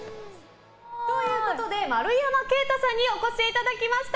ということで丸山敬太さんにお越しいただきました。